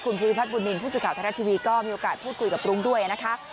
คุณพิวิพัฒน์บุญมินทร์ผู้สุข่าวทรัพย์ทีวีก็มีโอกาสพูดคุยกับปรุงด้วยนะคะ